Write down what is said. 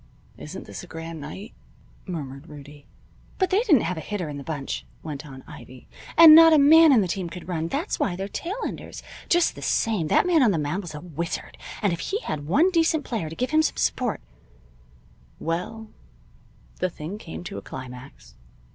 "Isn't this a grand night?" murmured Rudie. "But they didn't have a hitter in the bunch," went on Ivy. "And not a man in the team could run. That's why they're tail enders. Just the same, that man on the mound was a wizard, and if he had one decent player to give him some support " Well, the thing came to a climax.